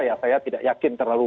ya saya tidak yakin terlalu